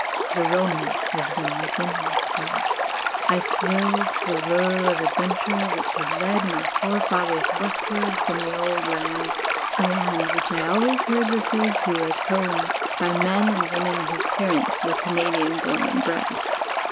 The ro mance of them was in my blood; I thrilled to the lure of adventure which had led my forefathers westward from the Old Land a land which I always heard referred to as "Home," by men and women whose parents were Canadian born and bred.